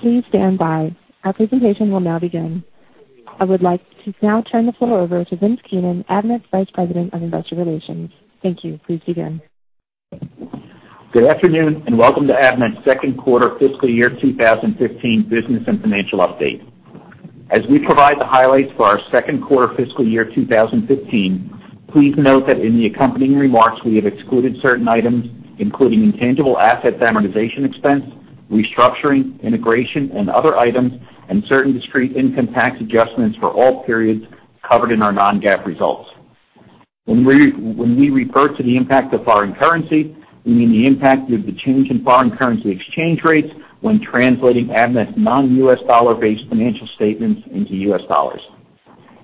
Please stand by. Our presentation will now begin. I would like to now turn the floor over to Vince Keenan, Avnet's Vice President of Investor Relations. Thank you. Please begin. Good afternoon, and welcome to Avnet's Q2 fiscal year 2015 business and financial update. As we provide the highlights for our Q2 fiscal year 2015, please note that in the accompanying remarks, we have excluded certain items, including intangible asset amortization expense, restructuring, integration, and other items, and certain discrete income tax adjustments for all periods covered in our non-GAAP results. When we refer to the impact of foreign currency, we mean the impact of the change in foreign currency exchange rates when translating Avnet's non-U.S. dollar-based financial statements into U.S. dollars.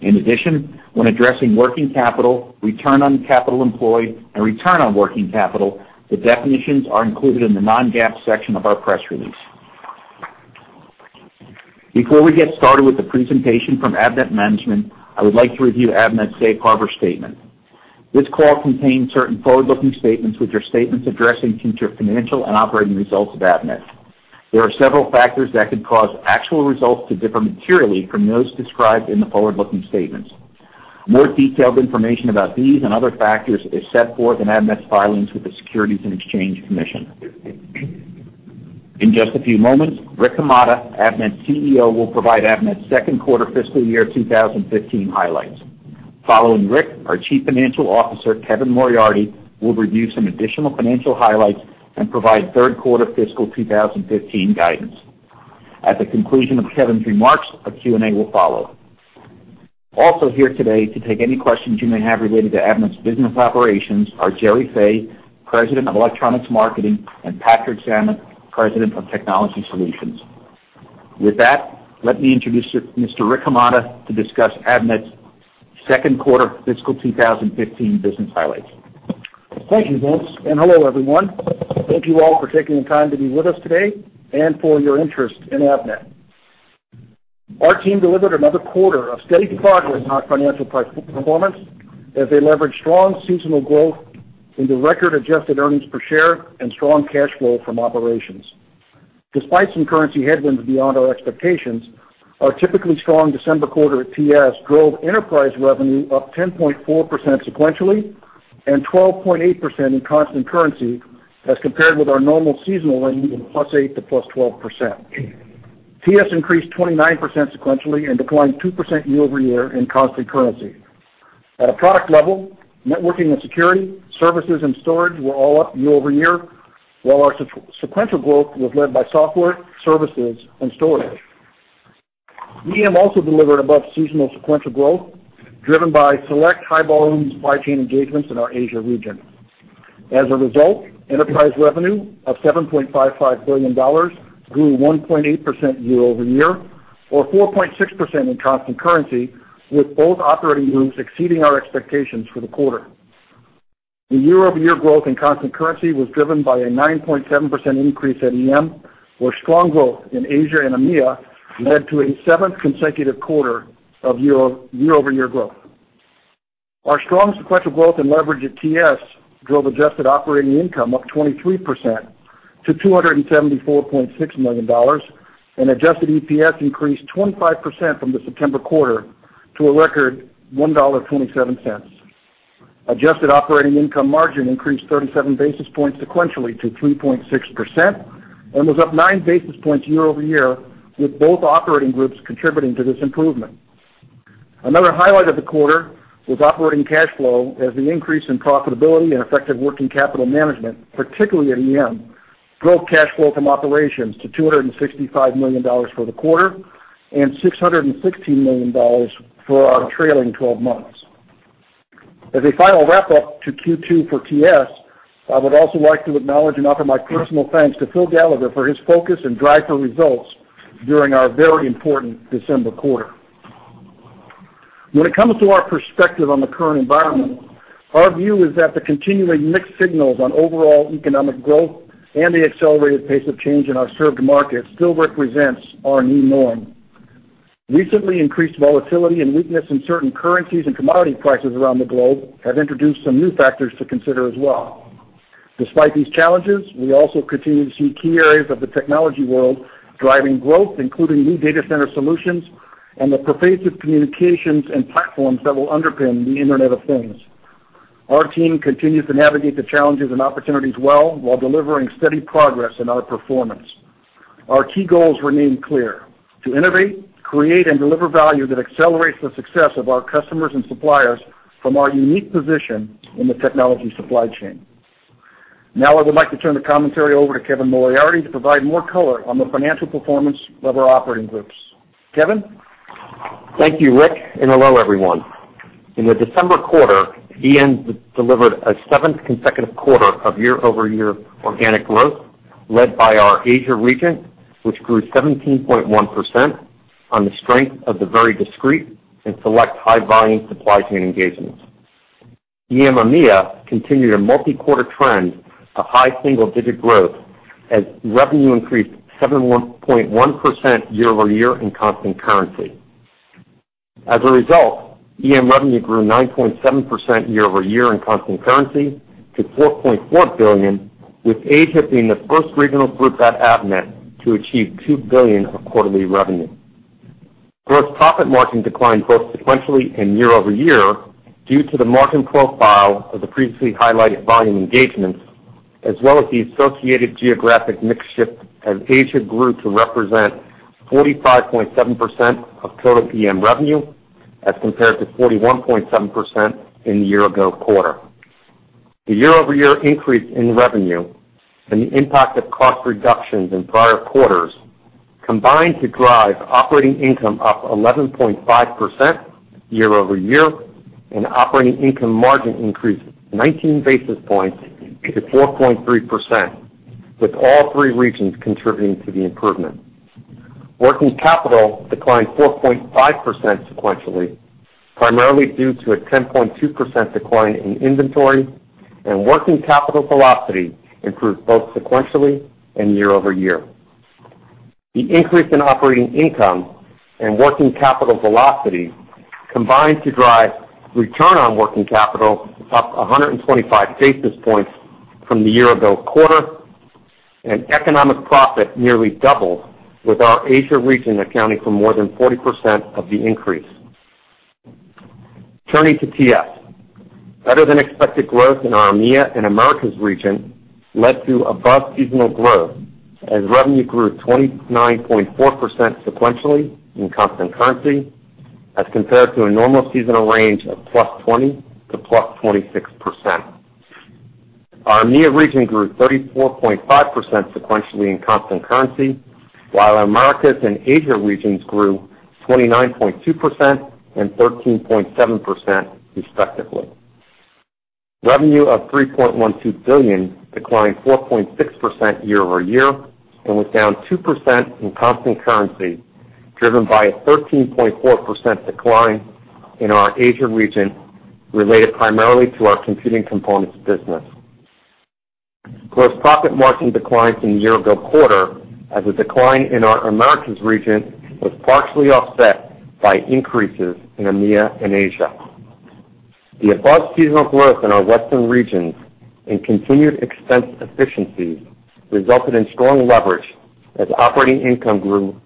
In addition, when addressing working capital, return on capital employed, and return on working capital, the definitions are included in the non-GAAP section of our press release. Before we get started with the presentation from Avnet management, I would like to review Avnet's safe harbor statement. This call contains certain forward-looking statements, which are statements addressing future financial and operating results of Avnet. There are several factors that could cause actual results to differ materially from those described in the forward-looking statements. More detailed information about these and other factors is set forth in Avnet's filings with the Securities and Exchange Commission. In just a few moments, Rick Hamada, Avnet's CEO, will provide Avnet's Q2 fiscal year 2015 highlights. Following Rick, our Chief Financial Officer, Kevin Moriarty, will review some additional financial highlights and provide Q3 fiscal 2015 guidance. At the conclusion of Kevin's remarks, a Q&A will follow. Also here today to take any questions you may have related to Avnet's business operations are Gerry Fay, President of Electronics Marketing, and Patrick Zammit, President of Technology Solutions. With that, let me introduce Mr. Rick Hamada to discuss Avnet's Q2 fiscal 2015 business highlights. Thank you, Vince Keenan, and hello, everyone. Thank you all for taking the time to be with us today and for your interest in Avnet. Our team delivered another quarter of steady progress on financial performance, as they leveraged strong seasonal growth into record adjusted earnings per share and strong cash flow from operations. Despite some currency headwinds beyond our expectations, our typically strong December quarter at TS drove enterprise revenue up 10.4% sequentially and 12.8% in constant currency as compared with our normal seasonal range of +8% to +12%. TS increased 29% sequentially and declined 2% year-over-year in constant currency. At a product level, networking and security, services, and storage were all up year-over-year, while our sequential growth was led by software, services, and storage. EM also delivered above seasonal sequential growth, driven by select high-volume supply chain engagements in our Asia region. As a result, enterprise revenue of $7.55 billion grew 1.8% year-over-year, or 4.6% in constant currency, with both operating groups exceeding our expectations for the quarter. The year-over-year growth in constant currency was driven by a 9.7% increase at EM, where strong growth in Asia and EMEA led to a seventh consecutive quarter of year-over-year growth. Our strong sequential growth and leverage at TS drove adjusted operating income up 23% to $274.6 million, and adjusted EPS increased 25% from the September quarter to a record $1.27. Adjusted operating income margin increased 37 basis points sequentially to 3.6% and was up nine basis points year-over-year, with both operating groups contributing to this improvement. Another highlight of the quarter was operating cash flow, as the increase in profitability and effective working capital management, particularly at EM, drove cash flow from operations to $265 million for the quarter and $616 million for our trailing twelve months. As a final wrap-up to Q2 for TS, I would also like to acknowledge and offer my personal thanks to Phil Gallagher for his focus and drive for results during our very important December quarter. When it comes to our perspective on the current environment, our view is that the continuing mixed signals on overall economic growth and the accelerated pace of change in our served market still represents our new norm. Recently increased volatility and weakness in certain currencies and commodity prices around the globe have introduced some new factors to consider as well. Despite these challenges, we also continue to see key areas of the technology world driving growth, including new data center solutions and the pervasive communications and platforms that will underpin the Internet of Things. Our team continues to navigate the challenges and opportunities well while delivering steady progress in our performance. Our key goals remain clear: to innovate, create, and deliver value that accelerates the success of our customers and suppliers from our unique position in the technology supply chain. Now, I would like to turn the commentary over to Kevin Moriarty to provide more color on the financial performance of our operating groups. Kevin Moriarty? Thank you, Rick Hamada, and hello, everyone. In the December quarter, EM delivered a seventh consecutive quarter of year-over-year organic growth, led by our Asia region, which grew 17.1% on the strength of the very discrete and select high-volume supply chain engageme-ts. EM EMEA continued a multi-quarter trend of high-single-digit growth as revenue increased 7.1% year-over-year in constant currency. ...As a result, EM revenue grew 9.7% year-over-year in constant currency to $4.4 billion, with Asia being the first regional group at Avnet to achieve $2 billion of quarterly revenue. Gross profit margin declined both sequentially and year-over-year due to the margin profile of the previously highlighted volume engagements, as well as the associated geographic mix shift, as Asia grew to represent 45.7% of total EM revenue, as compared to 41.7% in the year ago quarter. The year-over-year increase in revenue and the impact of cost reductions in prior quarters combined to drive operating income up 11.5% year-over-year, and operating income margin increased 19 basis points to 4.3%, with all three regions contributing to the improvement. Working capital declined 4.5% sequentially, primarily due to a 10.2% decline in inventory, and working capital velocity improved both sequentially and year over year. The increase in operating income and working capital velocity combined to drive return on working capital up 125 basis points from the year-ago quarter, and economic profit nearly doubled, with our Asia region accounting for more than 40% of the increase. Turning to TS, better-than-expected growth in our EMEA and Americas region led to above-seasonal growth, as revenue grew 29.4% sequentially in constant currency, as compared to a normal seasonal range of +20%–+26%. Our EMEA region grew 34.5% sequentially in constant currency, while our Americas and Asia regions grew 29.2% and 13.7%, respectively. Revenue of $3.12 billion declined 4.6% year-over-year and was down 2% in constant currency, driven by a 13.4% decline in our Asia region, related primarily to our computing components business. Gross profit margin declined from the year-ago quarter, as the decline in our Americas region was partially offset by increases in EMEA and Asia. The above-seasonal growth in our western regions and continued expense efficiencies resulted in strong leverage, as operating income grew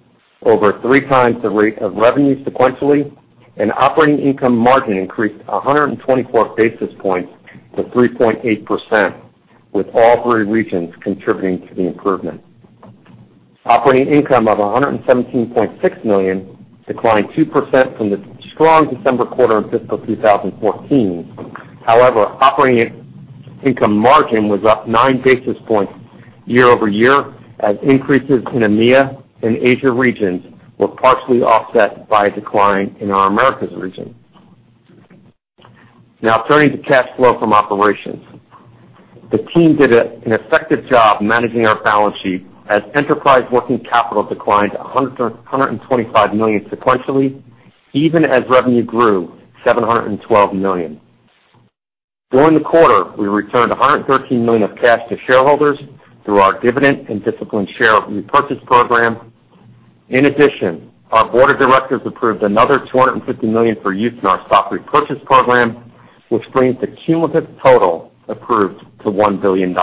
over three times the rate of revenue sequentially, and operating income margin increased 124 basis points to 3.8%, with all three regions contributing to the improvement. Operating income of $117.6 million declined 2% from the strong December quarter in fiscal 2014. However, operating income margin was up 9 basis points year-over-year, as increases in EMEA and Asia regions were partially offset by a decline in our Americas region. Now turning to cash flow from operations. The team did an effective job managing our balance sheet as enterprise working capital declined $125 million sequentially, even as revenue grew $712 million. During the quarter, we returned $113 million of cash to shareholders through our dividend and disciplined share repurchase program. In addition, our board of directors approved another $250 million for use in our stock repurchase program, which brings the cumulative total approved to $1 billion.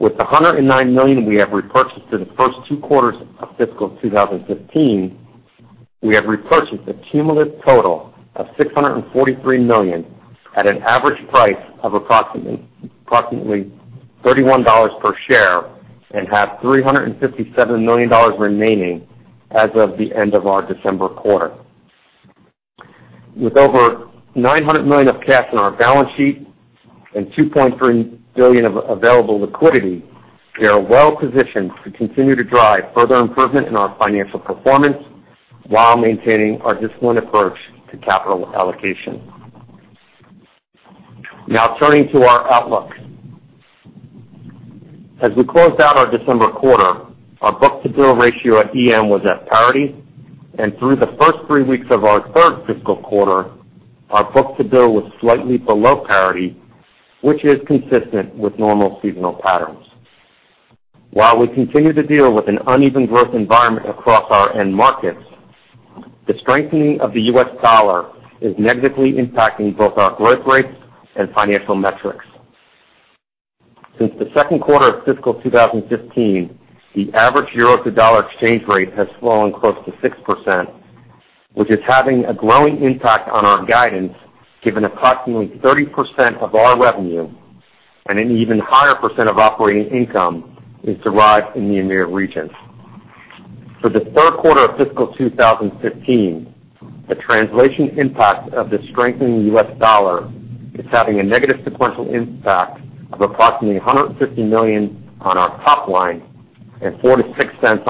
With the $109 million we have repurchased in the first two quarters of fiscal 2015, we have repurchased a cumulative total of $643 million at an average price of approximately, approximately $31 per share, and have $357 million remaining as of the end of our December quarter. With over $900 million of cash on our balance sheet and $2.3 billion of available liquidity, we are well positioned to continue to drive further improvement in our financial performance while maintaining our disciplined approach to capital allocation. Now turning to our outlook. As we closed out our December quarter, our book-to-bill ratio at EM was at parity, and through the first three weeks of our third fiscal quarter, our book-to-bill was slightly below parity, which is consistent with normal seasonal patterns. While we continue to deal with an uneven growth environment across our end markets, the strengthening of the U.S. dollar is negatively impacting both our growth rates and financial metrics. Since the Q2 of fiscal 2015, the average EUR-to-dollar exchange rate has fallen close to 6%, which is having a growing impact on our guidance, given approximately 30% of our revenue and an even higher percent of operating income is derived in the EMEA region. For the Q3 of fiscal 2015, the translation impact of the strengthening U.S. dollar is having a negative sequential impact of approximately $150 million on our top line and $0.04-$0.06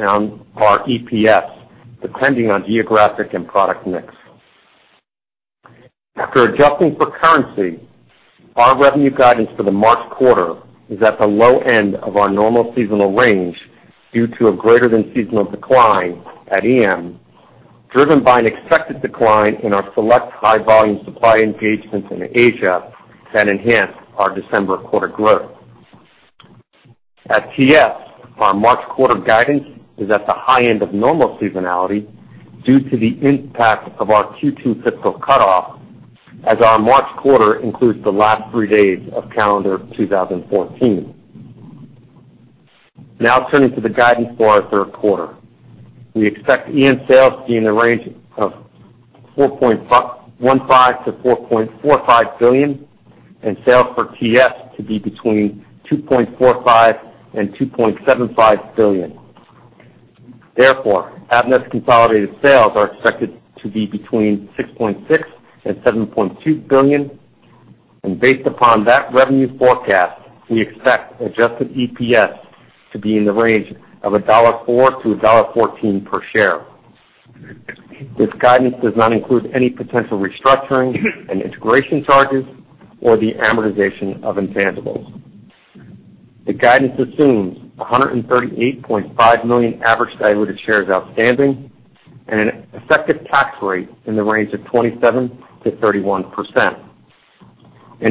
on our EPS, depending on geographic and product mix. After adjusting for currency, our revenue guidance for the March quarter is at the low end of our normal seasonal range due to a greater than seasonal decline at EM, driven by an expected decline in our select high-volume supply engagements in Asia that enhanced our December quarter growth. At TS, our March quarter guidance is at the high end of normal seasonality due to the impact of our Q2 fiscal cutoff, as our March quarter includes the last three days of calendar 2014. Now turning to the guidance for our Q3. We expect EM sales to be in the range of $4.15 billion-$4.45 billion, and sales for TS to be between $2.45 billion and $2.75 billion. Therefore, Avnet's consolidated sales are expected to be between $6.6 billion and $7.2 billion, and based upon that revenue forecast, we expect adjusted EPS to be in the range of $1.04-$1.14 per share. This guidance does not include any potential restructuring and integration charges or the amortization of intangibles. The guidance assumes 138.5 million average diluted shares outstanding and an effective tax rate in the range of 27%-31%. In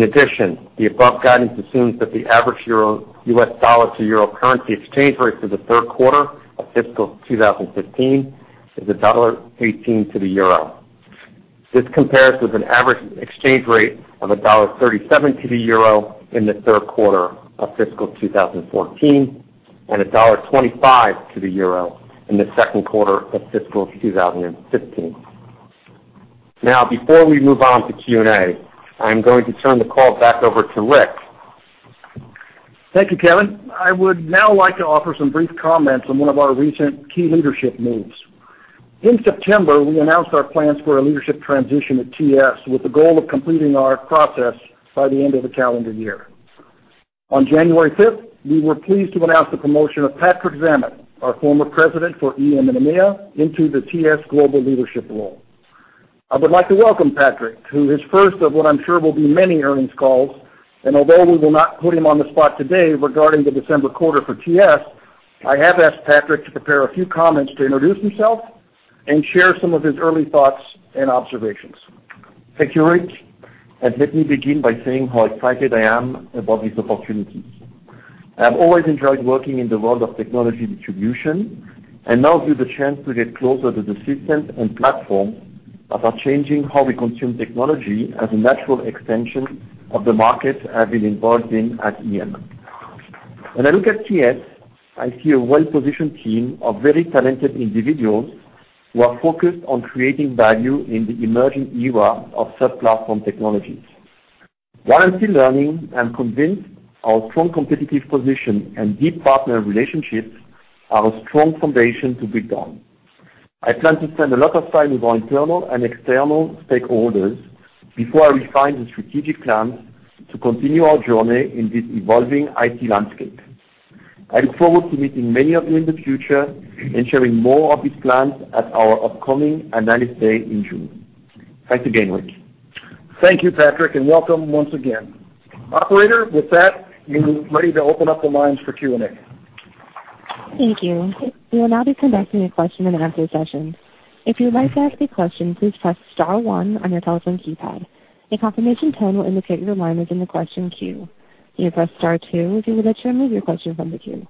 addition, the above guidance assumes that the average EUR-U.S. dollar to EUR currency exchange rate for the Q3 of fiscal 2015 is $1.18 to the EUR. This compares with an average exchange rate of $1.37 to the EUR in the Q3 of fiscal 2014, and $1.25 to the EUR in the Q2 of fiscal 2015. Now, before we move on to Q&A, I'm going to turn the call back over to Rick Hamada. Thank you, Kevin Moriarty. I would now like to offer some brief comments on one of our recent key leadership moves. In September, we announced our plans for a leadership transition at TS, with the goal of completing our process by the end of the calendar year. On January 5th, we were pleased to announce the promotion of Patrick Zammit, our former President for EM and EMEA, into the TS global leadership role. I would like to welcome Patrick Zammit to his first of what I'm sure will be many earnings calls, and although we will not put him on the spot today regarding the December quarter for TS, I have asked Patrick Zammit to prepare a few comments to introduce himself and share some of his early thoughts and observations. Thank you, Rick Hamada, and let me begin by saying how excited I am about this opportunity. I've always enjoyed working in the world of technology distribution, and now with the chance to get closer to the systems and platforms that are changing how we consume technology as a natural extension of the market I've been involved in at EM. When I look at TS, I see a well-positioned team of very talented individuals who are focused on creating value in the emerging era of Third Platform technologies. While I'm still learning, I'm convinced our strong competitive position and deep partner relationships are a strong foundation to build on. I plan to spend a lot of time with our internal and external stakeholders before I refine the strategic plans to continue our journey in this evolving IT landscape. I look forward to meeting many of you in the future and sharing more of these plans at our upcoming Analyst Day in June. Thanks again, Rick Hamada. Thank you, Patrick Zammit, and welcome once again. Operator, with that, we're ready to open up the lines for Q&A. Thank you. We will now be conducting a Q&A session. If you would like to ask a question, please press star one on your telephone keypad. A confirmation tone will indicate your line is in the question queue. You may press star two if you would like to remove your question from the queue.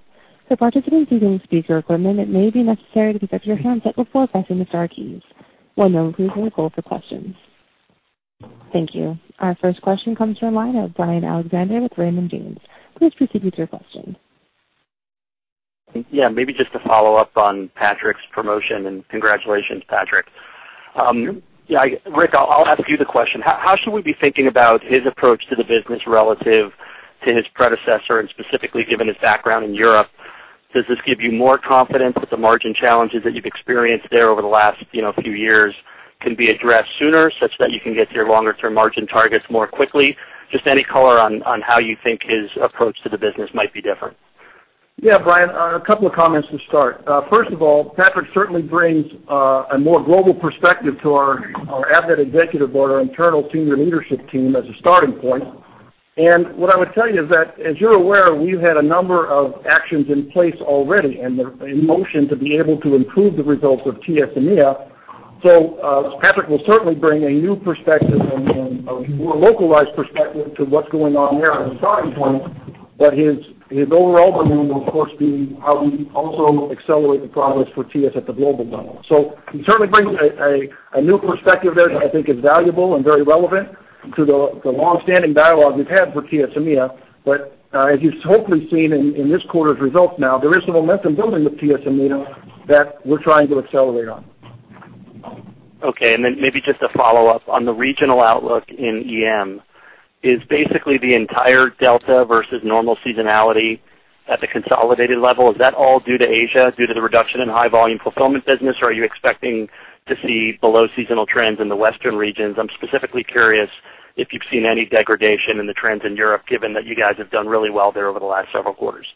For participants using speaker equipment, it may be necessary to disconnect your handset before pressing the star keys. One moment, please, while we go for questions. Thank you. Our first question comes from the line of Brian Alexander with Raymond James. Please proceed with your question. Yeah, maybe just to follow up on Patrick's promotion, and congratulations, Patrick Zammit. Yeah, Rick Hamada, I'll ask you the question: How should we be thinking about his approach to the business relative to his predecessor, and specifically, given his background in Europe, does this give you more confidence that the margin challenges that you've experienced there over the last, you know, few years can be addressed sooner, such that you can get to your longer-term margin targets more quickly? Just any color on how you think his approach to the business might be different. Yeah, Brian Alexander, a couple of comments to start. First of all, Patrick certainly brings a more global perspective to our Avnet executive board, our internal senior leadership team, as a starting point. What I would tell you is that, as you're aware, we've had a number of actions in place already, and they're in motion to be able to improve the results of TS EMEA. Patrick will certainly bring a new perspective and a more localized perspective to what's going on there as a starting point. But his overall view will, of course, be how we also accelerate the progress for TS at the global level. He certainly brings a new perspective there that I think is valuable and very relevant to the long-standing dialogue we've had for TS EMEA. But, as you've hopefully seen in this quarter's results now, there is some momentum building with TS EMEA that we're trying to accelerate on. Okay, and then maybe just a follow-up. On the regional outlook in EM, is basically the entire delta versus normal seasonality at the consolidated level, is that all due to Asia, due to the reduction in high-volume fulfillment business? Or are you expecting to see below-seasonal trends in the Western regions? I'm specifically curious if you've seen any degradation in the trends in Europe, given that you guys have done really well there over the last several quarters.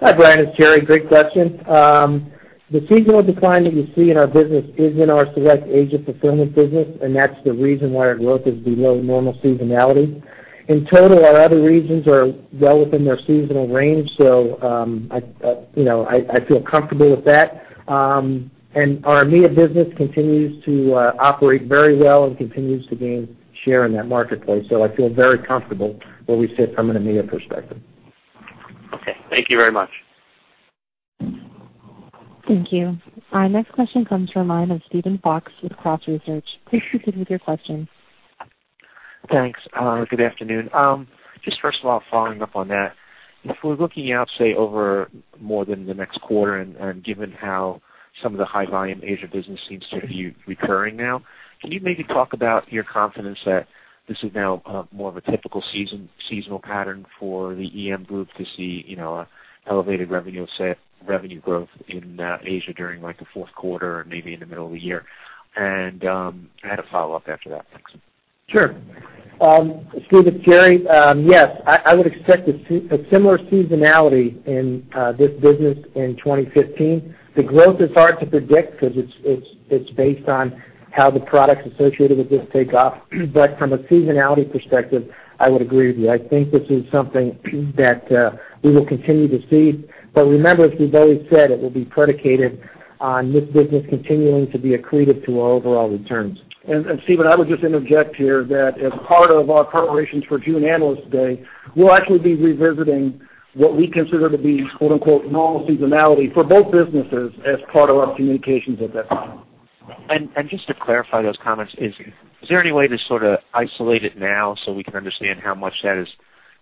Hi, Brian Alexander, it's Gerry Fay. Great question. The seasonal decline that you see in our business is in our select Asia fulfillment business, and that's the reason why our growth is below normal seasonality. In total, our other regions are well within their seasonal range, so, you know, I feel comfortable with that. And our EMEA business continues to operate very well and continues to gain share in that marketplace, so I feel very comfortable where we sit from an EMEA perspective. Okay, thank you very much. Thank you. Our next question comes from the line of Steven Fox with Cross Research. Please proceed with your question. Thanks. Good afternoon. Just first of all, following up on that, if we're looking out, say, over more than the next quarter, and given how some of the high-volume Asia business seems to be recurring now, can you maybe talk about your confidence that this is now more of a typical seasonal pattern for the EM group to see, you know, an elevated revenue, say, revenue growth in Asia during, like, the Q4 and maybe in the middle of the year? I had a follow-up after that. Thanks. Sure. Steven Fox, it's Gerry Fay. Yes, I would expect a similar seasonality in this business in 2015. The growth is hard to predict because it's based on how the products associated with this take off. But from a seasonality perspective, I would agree with you. I think this is something that we will continue to see. But remember, as we've always said, it will be predicated on this business continuing to be accretive to our overall returns. And, Steven Fox, I would just interject here that as part of our preparations for June Analyst Day, we'll actually be revisiting what we consider to be, quote, unquote, "normal seasonality" for both businesses as part of our communications at that time. And just to clarify those comments, is there any way to sort of isolate it now so we can understand how much that has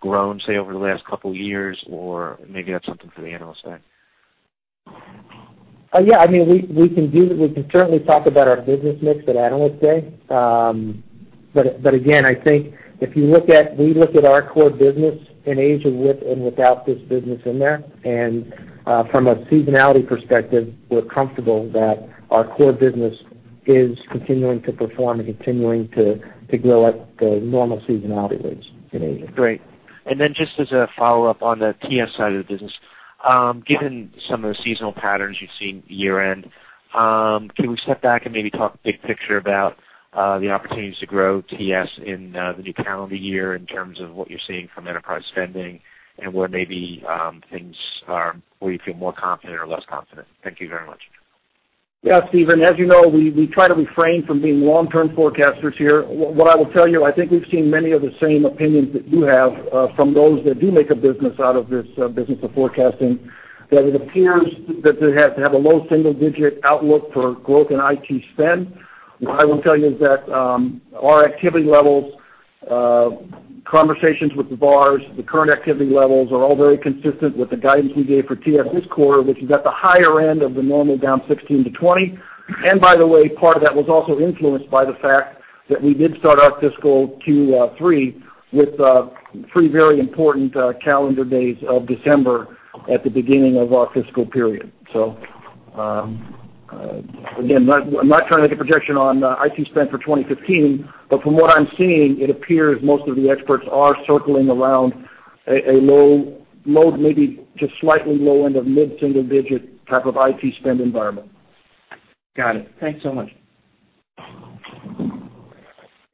grown, say, over the last couple years, or maybe that's something for the Analyst Day? Yeah, I mean, we can certainly talk about our business mix at Analyst Day. But again, I think if you look at, we look at our core business in Asia with and without this business in there, and from a seasonality perspective, we're comfortable that our core business is continuing to perform and continuing to grow at the normal seasonality rates in Asia. Great. And then just as a follow-up on the TS side of the business, given some of the seasonal patterns you've seen year-end, can we step back and maybe talk big picture about the opportunities to grow TS in the new calendar year in terms of what you're seeing from enterprise spending and where maybe things are, where you feel more confident or less confident? Thank you very much. Yeah, Steven Fox, as you know, we try to refrain from being long-term forecasters here. What I will tell you, I think we've seen many of the same opinions that you have from those that do make a business out of this business of forecasting, that it appears that they have to have a low-single-digit outlook for growth in IT spend. What I will tell you is that our activity levels, conversations with the VARs, the current activity levels are all very consistent with the guidance we gave for TS this quarter, which is at the higher end of the normal, down 16-20. And by the way, part of that was also influenced by the fact that we did start our fiscal Q3 with three very important calendar days of December at the beginning of our fiscal period. So, again, I'm not trying to make a projection on IT spend for 2015, but from what I'm seeing, it appears most of the experts are circling around a low, maybe just slightly low end of mid-single digit type of IT spend environment. Got it. Thanks so much.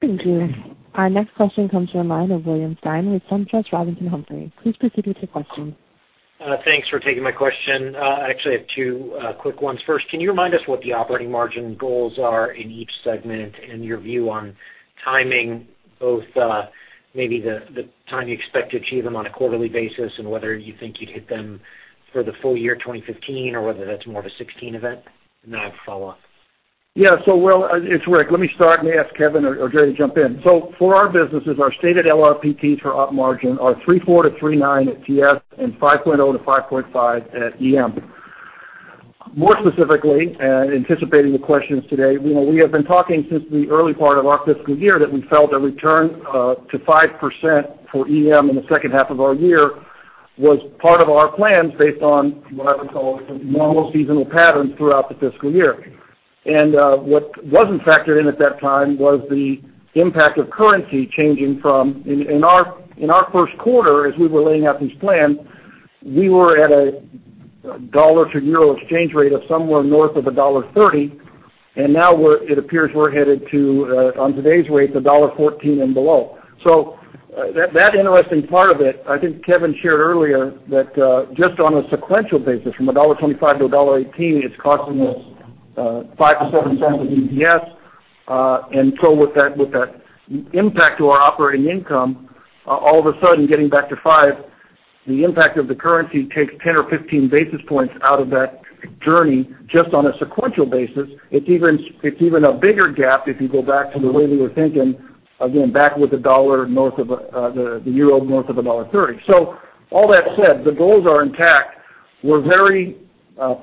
Thank you. Our next question comes from the line of William Stein with SunTrust Robinson Humphrey. Please proceed with your question. Thanks for taking my question. I actually have two quick ones. First, can you remind us what the operating margin goals are in each segment and your view on timing, both maybe the time you expect to achieve them on a quarterly basis, and whether you think you'd hit them for the full year 2015, or whether that's more of a 2016 event? Then I have a follow-up. Yeah. So, William Stein, it's Rick Hamada. Let me start and maybe ask Kevin Moriarty or, or Gerry Fay to jump in. So for our businesses, our stated LRPTs for op margin are 3.4%-3.9% at TS and 5.0%-5.5% at EM. More specifically, anticipating the questions today, you know, we have been talking since the early part of our fiscal year that we felt a return to 5% for EM in the second half of our year was part of our plans based on what I would call normal seasonal patterns throughout the fiscal year. And what wasn't factored in at that time was the impact of currency changing from... In our Q1, as we were laying out these plans, we were at a dollar-to-EUR exchange rate of somewhere north of $1.30, and now we're headed to, on today's rate, $1.14 and below. So, that interesting part of it, I think Kevin Moriarty shared earlier, that just on a sequential basis, from $1.25 to $1.18, it's costing us $0.05-$0.07 of EPS. And so with that impact to our operating income, all of a sudden, getting back to five, the impact of the currency takes 10 or 15 basis points out of that journey just on a sequential basis. It's even, it's even a bigger gap if you go back to the way we were thinking, again, back with the dollar north of the EUR north of $1.30. So all that said, the goals are intact. We're very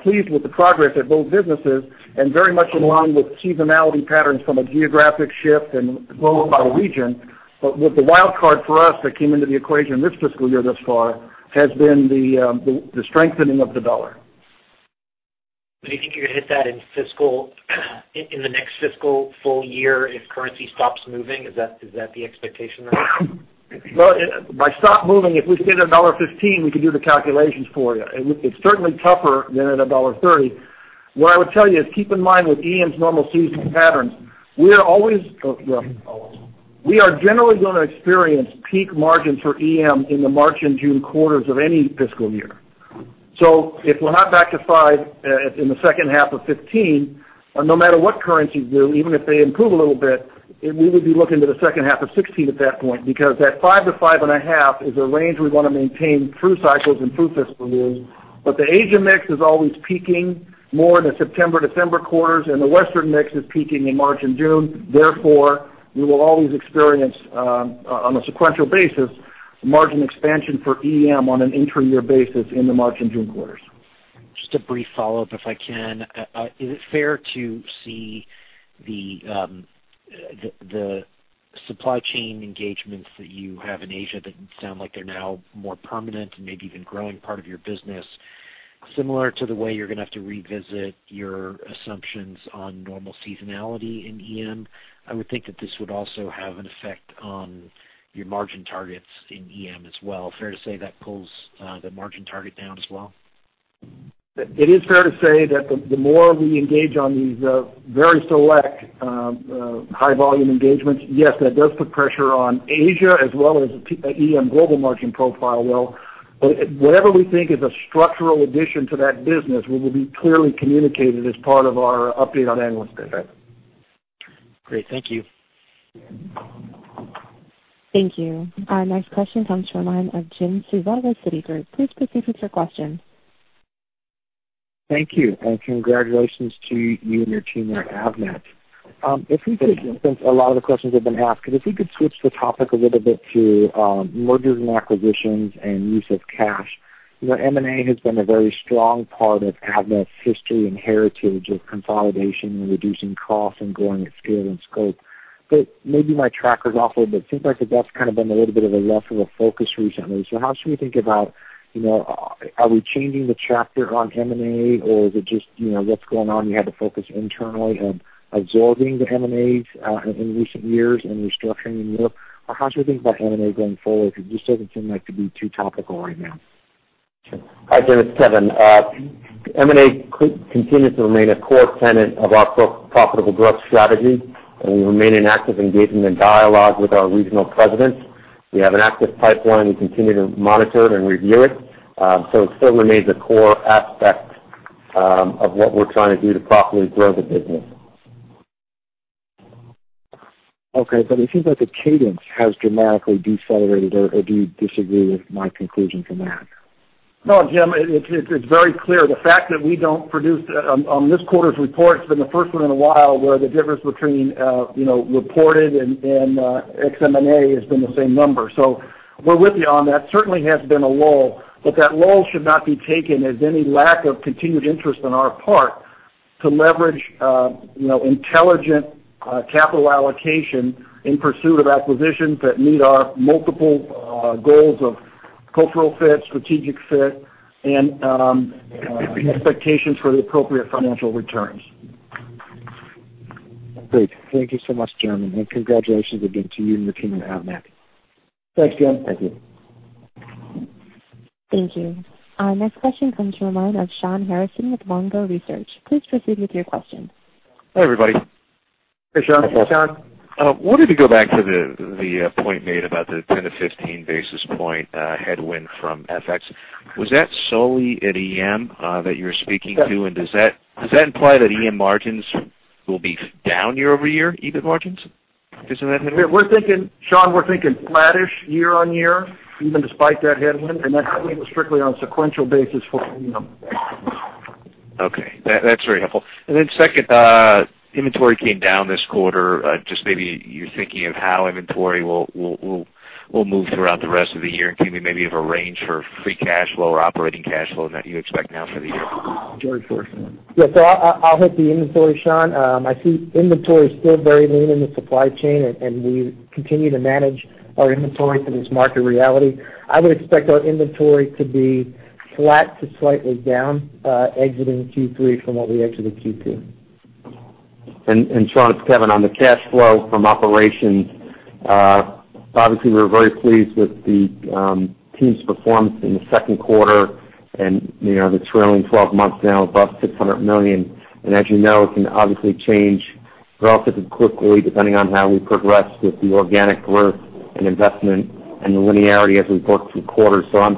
pleased with the progress at both businesses and very much in line with seasonality patterns from a geographic shift and growth by region. But with the wild card for us that came into the equation this fiscal year thus far, has been the strengthening of the dollar. Do you think you're going to hit that in fiscal, the next fiscal full year if currency stops moving? Is that the expectation there? Well, by the spot moving, if we stay at $1.15, we can do the calculations for you. It's certainly tougher than at $1.30. What I would tell you is, keep in mind, with EM's normal seasonal patterns, well, we are generally going to experience peak margins for EM in the March and June quarters of any fiscal year. So if we're not back to 5%, in the second half of 2015, no matter what currencies do, even if they improve a little bit, we would be looking to the second half of 2016 at that point, because that 5%-5.5% is a range we want to maintain through cycles and through fiscal years. But the Asian mix is always peaking more in the September-December quarters, and the Western mix is peaking in March and June. Therefore, we will always experience, on a sequential basis, margin expansion for EM on an intra-year basis in the March and June quarters. Just a brief follow-up, if I can. Is it fair to see the supply chain engagements that you have in Asia that sound like they're now more permanent and maybe even growing part of your business, similar to the way you're going to have to revisit your assumptions on normal seasonality in EM? I would think that this would also have an effect on your margin targets in EM as well. Fair to say that pulls the margin target down as well? It is fair to say that the more we engage on these very select high volume engagements, yes, that does put pressure on Asia as well as EM global margin profile. Well, whatever we think is a structural addition to that business, we will be clearly communicated as part of our update on Analyst Day. Great. Thank you. Thank you. Our next question comes from the line of Jim Suva, Citigroup. Please proceed with your question. Thank you, and congratulations to you and your team at Avnet. If we could, since a lot of the questions have been asked, if we could switch the topic a little bit to mergers and acquisitions and use of cash. You know, M&A has been a very strong part of Avnet's history and heritage of consolidation and reducing costs and growing at scale and scope. But maybe my tracker is off a little bit. It seems like that's kind of been a little bit of a less of a focus recently. So how should we think about, you know, are we changing the chapter on M&A, or is it just, you know, what's going on? You had to focus internally on absorbing the M&As in recent years and restructuring in Europe. Or how should we think about M&A going forward? It just doesn't seem like to be too topical right now. Hi, Jim Suva, it's Kevin Moriarty. M&A could continue to remain a core tenet of our pro-profitable growth strategy, and we remain in active engagement and dialogue with our regional presidents. We have an active pipeline. We continue to monitor it and review it. So it still remains a core aspect of what we're trying to do to properly grow the business. Okay, but it seems like the cadence has dramatically decelerated, or, or do you disagree with my conclusion from that? No, Jim Suva, it's very clear. The fact that we don't produce on this quarter's report, it's been the first one in a while where the difference between, you know, reported and ex M&A has been the same number. So we're with you on that. Certainly has been a lull, but that lull should not be taken as any lack of continued interest on our part to leverage, you know, intelligent capital allocation in pursuit of acquisitions that meet our multiple goals of cultural fit, strategic fit, and expectations for the appropriate financial returns. Great. Thank you so much, Jim, and congratulations again to you and the team at Avnet. Thanks, Jim Suva. Thank you. Thank you. Our next question comes from the line of Shawn Harrison with Longbow Research. Please proceed with your question. Hi, everybody. Hey, Shawn Harrison. Hey, Shawn Harrison. Wanted to go back to the point made about the 10-15 basis point headwind from FX. Was that solely at EM that you're speaking to? Yes. Does that imply that EM margins will be down year-over-year, EBIT margins? Does that mean? We're thinking, Shawn Harrison, we're thinking flattish year-over-year, even despite that headwind, and that headwind was strictly on sequential basis for EM. Okay, that's very helpful. And then second, inventory came down this quarter. Just maybe you're thinking of how inventory will move throughout the rest of the year, and can you maybe have a range for free cash flow or operating cash flow that you expect now for the year? Sure. Yeah, so I’ll hit the inventory, Shawn Harrison. I see inventory is still very lean in the supply chain, and we continue to manage our inventory for this market reality. I would expect our inventory to be flat to slightly down exiting Q3 from what we exit in Q2. And Shawn Harrison, it’s Kevin Moriarty. On the cash flow from operations, obviously, we’re very pleased with the team’s performance in the Q2, and you know, the trailing 12 months now above $600 million. And as you know, it can obviously change relatively quickly depending on how we progress with the organic growth and investment and the linearity as we work through quarters. So I’m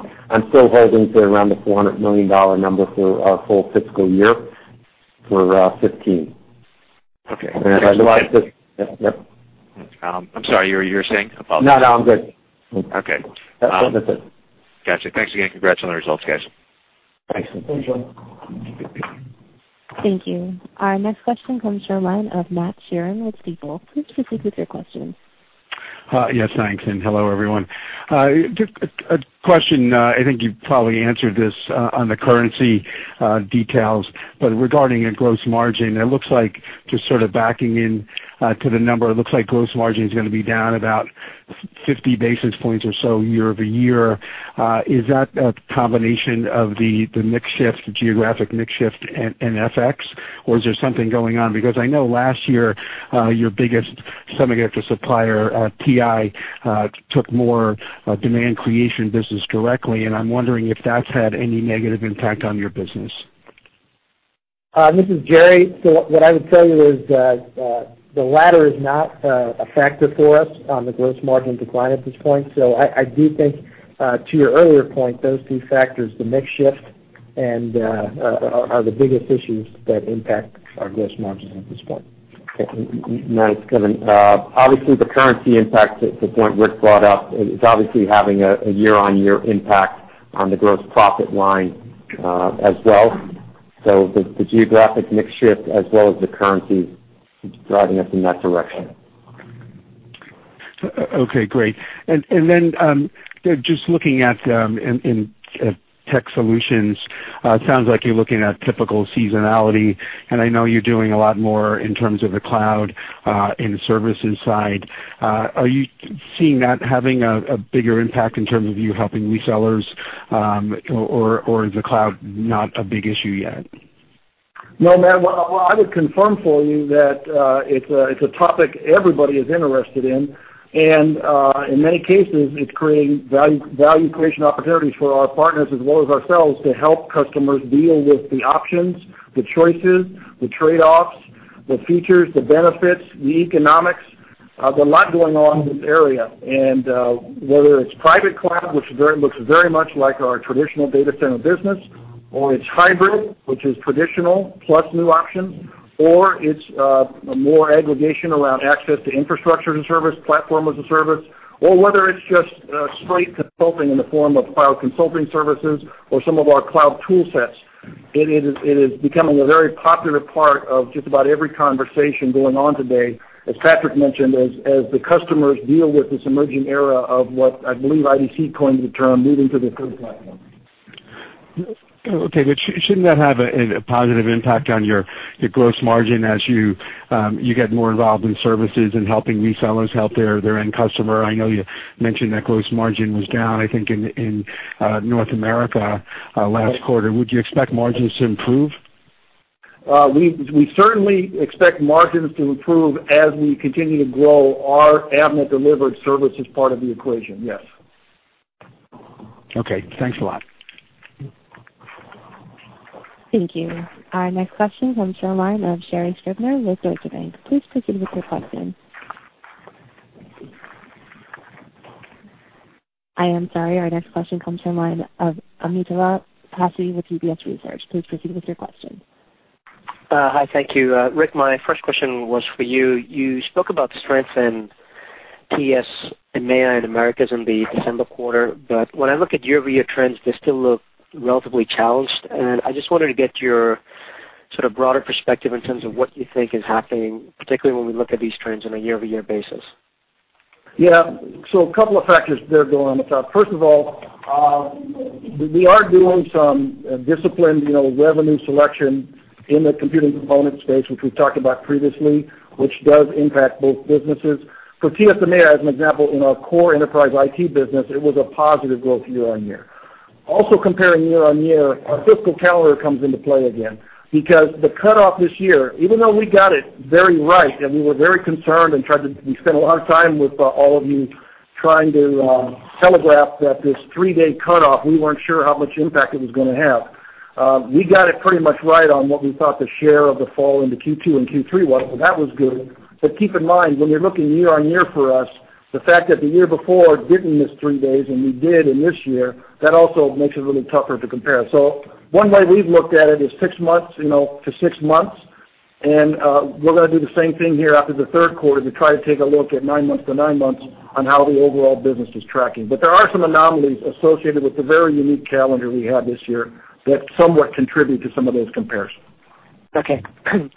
still holding to around the $400 million number for our full fiscal year for 2015. Okay. Yep. I'm sorry, you were saying? Apologies. No, no, I'm good. Okay. That's it. Gotcha. Thanks again. Congrats on the results, guys. Thanks. Thanks, Shawn Harrison. Thank you. Our next question comes from the line of Matthew Sheerin with Stifel. Please proceed with your question. Yes, thanks, and hello, everyone. Just a question, I think you've probably answered this on the currency details, but regarding gross margin, it looks like just sort of backing in to the number, it looks like gross margin is going to be down about 50 basis points or so year-over-year. Is that a combination of the mix shift, geographic mix shift and FX, or is there something going on? Because I know last year, your biggest semiconductor supplier, TI, took more demand creation business directly, and I'm wondering if that's had any negative impact on your business.... This is Gerry Fay. So what I would tell you is that the latter is not a factor for us on the gross margin decline at this point. So I do think, to your earlier point, those two factors, the mix shift, and are the biggest issues that impact our gross margins at this point. Okay. Nice, Kevin Moriarty. Obviously, the currency impact to the point Rick brought up is obviously having a year-on-year impact on the gross profit line, as well. So the geographic mix shift as well as the currency is driving us in that direction. Okay, great. And then, just looking at, in tech solutions, it sounds like you're looking at typical seasonality, and I know you're doing a lot more in terms of the cloud, in the services side. Are you seeing that having a bigger impact in terms of you helping resellers, or is the cloud not a big issue yet? No, Matthew Sheerin, well, well, I would confirm for you that it's a, it's a topic everybody is interested in, and in many cases it's creating value, value creation opportunities for our partners as well as ourselves to help customers deal with the options, the choices, the trade-offs, the features, the benefits, the economics. There's a lot going on in this area. Whether it's private cloud, which looks very much like our traditional data center business, or it's hybrid, which is traditional plus new options, or it's more aggregation around access to infrastructure as a service, platform as a service, or whether it's just straight consulting in the form of cloud consulting services or some of our cloud tool sets, it is, it is becoming a very popular part of just about every conversation going on today. As Patrick Zammit mentioned, the customers deal with this emerging era of what I believe IDC coined the term, moving to the Third Platform. Okay, but shouldn't that have a positive impact on your gross margin as you get more involved in services and helping resellers help their end customer? I know you mentioned that gross margin was down, I think, in North America last quarter. Would you expect margins to improve? We certainly expect margins to improve as we continue to grow our Avnet-delivered service as part of the equation, yes. Okay. Thanks a lot. Thank you. Our next question is from the line of Sherri Scribner with Deutsche Bank. Please proceed with your question. I am sorry. Our next question comes from the line of Amitabh Passi with UBS Research. Please proceed with your question. Hi. Thank you. Rick Hamada, my first question was for you. You spoke about strength in TS, EMEA, and Americas in the December quarter, but when I look at year-over-year trends, they still look relatively challenged. I just wanted to get your sort of broader perspective in terms of what you think is happening, particularly when we look at these trends on a year-over-year basis. Yeah. So a couple of factors there going on the top. First of all, we are doing some disciplined, you know, revenue selection in the computing component space, which we've talked about previously, which does impact both businesses. For TS EMEA, as an example, in our core enterprise IT business, it was a positive growth year-on-year. Also, comparing year-on-year, our fiscal calendar comes into play again, because the cutoff this year, even though we got it very right, and we were very concerned and tried to. We spent a lot of time with all of you trying to telegraph that this three-day cutoff, we weren't sure how much impact it was gonna have. We got it pretty much right on what we thought the share of the fall into Q2 and Q3 was, so that was good. But keep in mind, when you're looking year-over-year for us, the fact that the year before didn't miss three days and we did in this year, that also makes it really tougher to compare. So one way we've looked at it is six months, you know, to six months, and we're gonna do the same thing here after the Q3 to try to take a look at nine months to nine months on how the overall business is tracking. But there are some anomalies associated with the very unique calendar we had this year that somewhat contribute to some of those comparisons. Okay.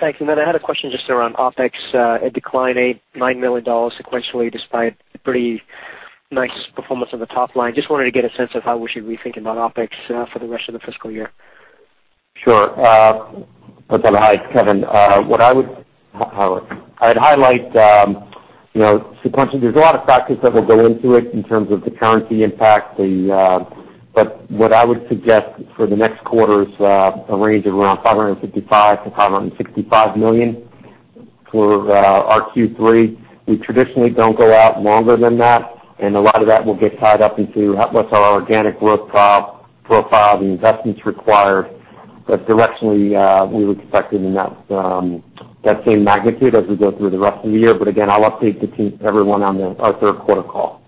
Thanks. I had a question just around OpEx. It declined $8-$9 million sequentially, despite pretty nice performance on the top line. Just wanted to get a sense of how we should be thinking about OpEx for the rest of the fiscal year. Sure. Amitabh Passi, hi, it's Kevin Moriarty. What I would highlight... I'd highlight, you know, sequentially, there's a lot of factors that will go into it in terms of the currency impact, the... But what I would suggest for the next quarter is a range of around $555 million-$565 million for our Q3. We traditionally don't go out longer than that, and a lot of that will get tied up into what's our organic growth profile and investments required. But directionally, we would expect it in that that same magnitude as we go through the rest of the year. But again, I'll update the team, everyone on our Q3 call.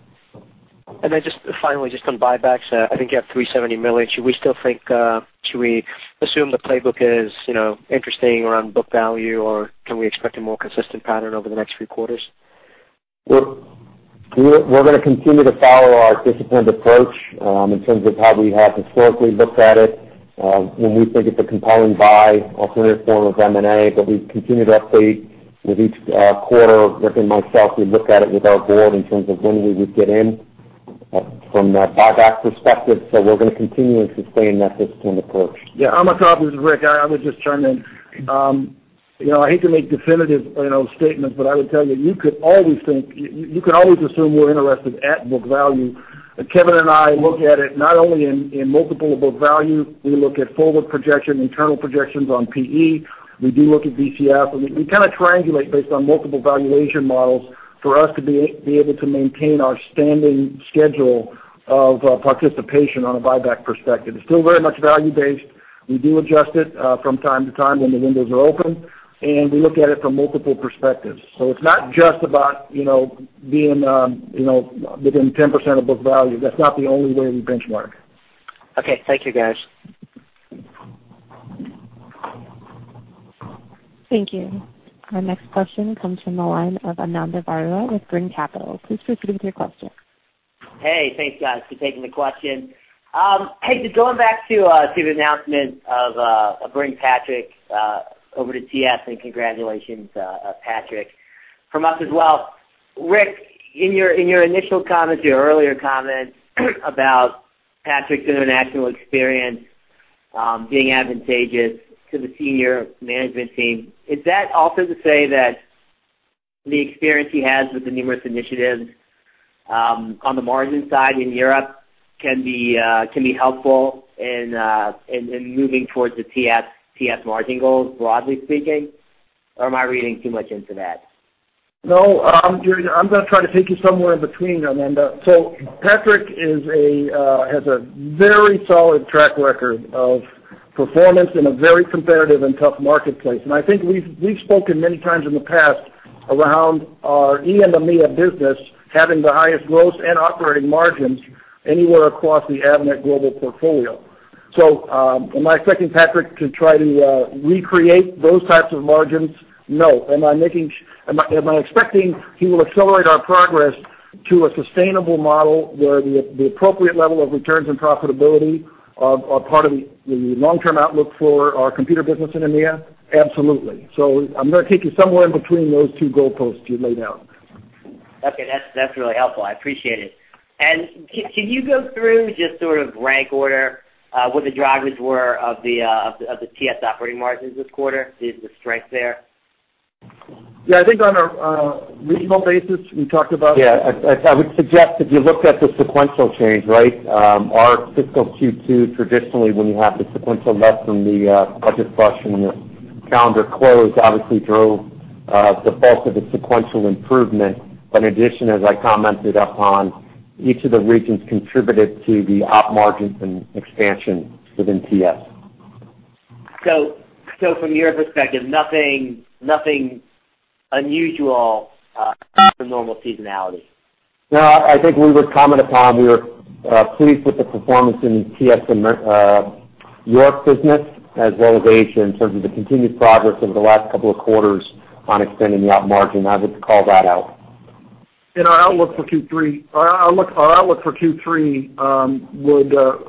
Then just finally, just on buybacks, I think you have $370 million. Should we still think, should we assume the playbook is, you know, interesting around book value, or can we expect a more consistent pattern over the next few quarters? We're gonna continue to follow our disciplined approach in terms of how we have historically looked at it, when we think it's a compelling buy, alternative form of M&A. But we continue to update with each quarter, Rick Hamada and myself, we look at it with our board in terms of when we would get in from a buyback perspective. So we're gonna continue and sustain that disciplined approach. Yeah, Amitabh Passi, this is Rick Hamada. I would just chime in. You know, I hate to make definitive statements, but I would tell you, you could always think you could always assume we're interested at book value. Kevin Moriarty and I look at it not only in multiple of book value, we look at forward projection, internal projections on PE. We do look at DCF, and we kind of triangulate based on multiple valuation models for us to be able to maintain our standing schedule of participation on a buyback perspective. It's still very much value-based. We do adjust it from time to time when the windows are open, and we look at it from multiple perspectives. So it's not just about, you know, being within 10% of book value. That's not the only way we benchmark. Okay. Thank you, guys. Thank you. Our next question comes from the line of Ananda Baruah with Brean Capital. Please proceed with your question. Hey, thanks, guys, for taking the question. Hey, just going back to the announcement of bringing Patrick Zammit over to TS, and congratulations, Patrick Zammit, from us as well. Rick Hamada, in your initial comments, your earlier comments about Patrick's international experience being advantageous to the senior management team, is that also to say that the experience he has with the numerous initiatives on the margin side in Europe can be helpful in moving towards the TS margin goals, broadly speaking? Or am I reading too much into that? No, Gerry, I'm gonna try to take you somewhere in between, Ananda Baruah. So Patrick Zammit has a very solid track record of performance in a very competitive and tough marketplace. And I think we've spoken many times in the past around our EM and EMEA business having the highest growth and operating margins anywhere across the Avnet global portfolio. So, am I expecting Patrick Zammit to try to recreate those types of margins? No. Am I expecting he will accelerate our progress to a sustainable model, where the appropriate level of returns and profitability are part of the long-term outlook for our computer business in EMEA? Absolutely. So I'm gonna take you somewhere in between those two goalposts you've laid out. Okay, that's really helpful. I appreciate it. And can you go through just sort of rank order what the drivers were of the TS operating margins this quarter, the strength there? Yeah, I think on a regional basis, we talked about- Yeah, I would suggest if you looked at the sequential change, right? Our fiscal Q2, traditionally, when you have the sequential less than the budget flush and the calendar close, obviously drove the bulk of the sequential improvement. But in addition, as I commented upon, each of the regions contributed to the op margins and expansion within TS. So, from your perspective, nothing, nothing unusual from normal seasonality? No, I think we would comment upon, we were pleased with the performance in TS, Americas Europe business, as well as Asia, in terms of the continued progress over the last couple of quarters on extending the op margin. I would call that out. In our outlook for Q3,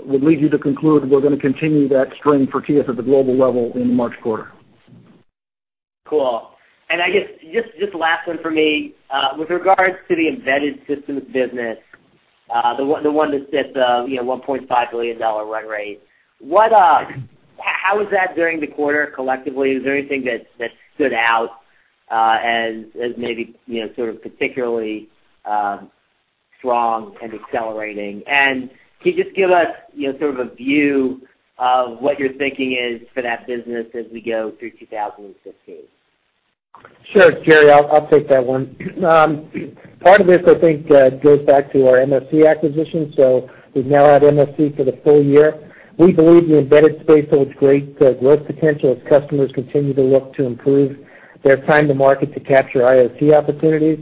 would lead you to conclude we're gonna continue that trend for TS at the global level in the March quarter. Cool. And I guess, just, just last one for me. With regards to the embedded systems business, the one that's at the, you know, $1.5 billion run rate... How was that during the quarter, collectively? Is there anything that stood out, as maybe, you know, sort of particularly strong and accelerating? And can you just give us, you know, sort of a view of what your thinking is for that business as we go through 2016? Sure, Gerry Fay, I'll, I'll take that one. Part of this, I think, goes back to our MSC acquisition, so we've now had MSC for the full year. We believe the embedded space holds great growth potential as customers continue to look to improve their time to market to capture IoT opportunities.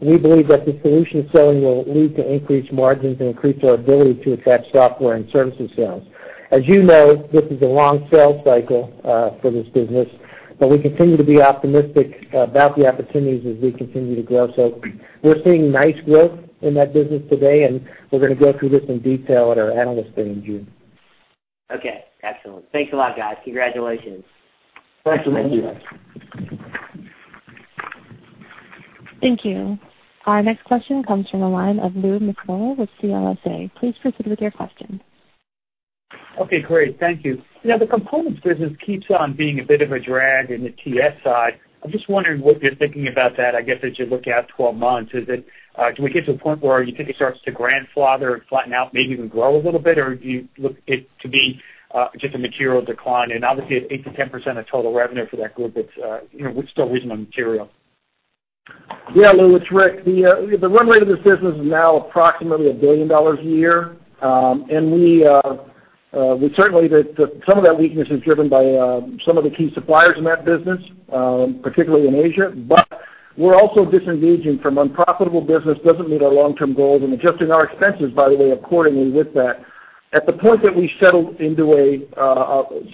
We believe that the solution selling will lead to increased margins and increase our ability to attract software and services sales. As you know, this is a long sales cycle for this business, but we continue to be optimistic about the opportunities as we continue to grow. So we're seeing nice growth in that business today, and we're gonna go through this in detail at our Analyst Day in June. Okay, excellent. Thanks a lot, guys. Congratulations. Thank you. Thanks. Thank you. Our next question comes from the line of Louis Miscioscia with CLSA. Please proceed with your question. Okay, great. Thank you. You know, the components business keeps on being a bit of a drag in the TS side. I'm just wondering what you're thinking about that, I guess, as you look out 12 months. Is it, do we get to a point where you think it starts to grandfather and flatten out, maybe even grow a little bit? Or do you look it to be, just a material decline? And obviously, at 8%-10% of total revenue for that group, it's, you know, still reasonably material. Yeah, Louis Miscioscia, it's Rick Hamada. The run rate of this business is now approximately $1 billion a year. And some of that weakness is driven by some of the key suppliers in that business, particularly in Asia. But we're also disengaging from unprofitable business, doesn't meet our long-term goals, and adjusting our expenses, by the way, accordingly with that. At the point that we settle into a